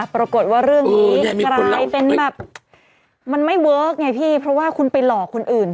ปรากฏว่าเรื่องนี้กลายเป็นแบบมันไม่เวิร์คไงพี่เพราะว่าคุณไปหลอกคนอื่น